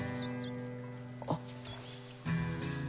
あっ。